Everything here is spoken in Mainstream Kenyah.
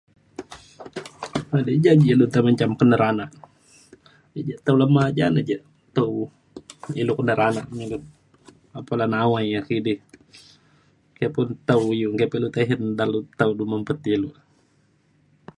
ja je ilu te menjam penera na. ia’ ja tau lema ja na ja tau ilu kenera na me ilu apan le nawai ya kidi ke pun tau iu nggei tisen nta le mopet ilu.